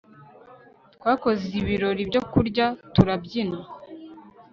Twakoze ibirori byo kurya turabyina